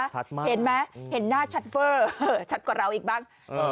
ชัดมากเห็นไหมเห็นหน้าชัดเวอร์ชัดกว่าเราอีกบ้าง